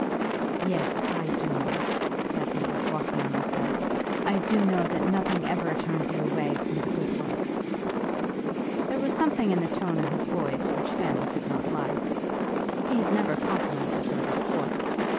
"Yes; I do know it," said he, walking on with her. "I do know that nothing ever turns you away from the good work." There was something in the tone of his voice which Fanny did not like. He had never complimented her before.